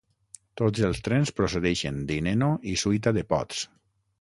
Tots els trens procedeixen d'Hineno i Suita Depots.